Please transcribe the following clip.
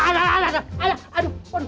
aduh aduh aduh